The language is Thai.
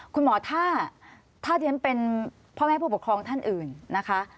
คุณหมอถ้าที่ฉันเป็นพ่อแม่ผู้ปกครองท่านอื่นนะคะ